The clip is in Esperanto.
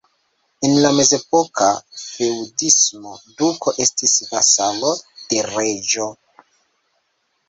En la mezepoka feŭdismo, duko estis vasalo de reĝo.